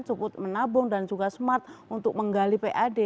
cukup menabung dan juga smart untuk menggali pad